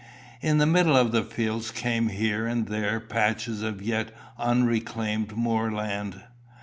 In the middle of the fields came here and there patches of yet unreclaimed moorland.